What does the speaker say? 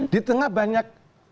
di tengah banyak